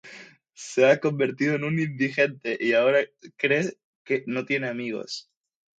Se ha convertido en un indigente, y ahora cree que no tiene amigos.